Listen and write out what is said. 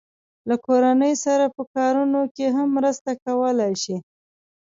له کورنۍ سره په کارونو کې هم مرسته کولای شي.